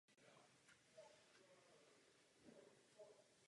Památník vznikl po ukončení první světové války na žádost místních občanů.